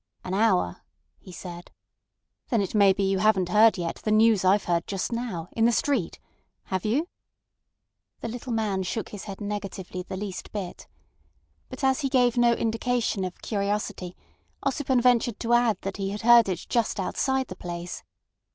"An hour," he said. "Then it may be you haven't heard yet the news I've heard just now—in the street. Have you?" The little man shook his head negatively the least bit. But as he gave no indication of curiosity Ossipon ventured to add that he had heard it just outside the place.